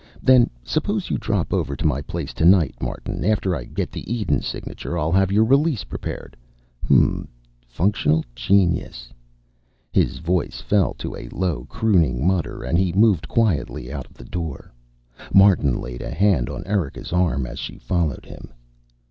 Then suppose you drop over to my place tonight, Martin. After I get the Eden signature, I'll have your release prepared. Hm m. Functional genius...." His voice fell to a low, crooning mutter, and he moved quietly out of the door. Martin laid a hand on Erika's arm as she followed him.